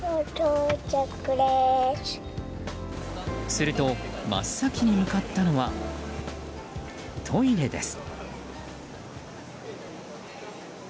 すると、真っ先に向かったのはトイレです。